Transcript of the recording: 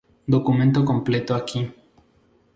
Documento completo aquí,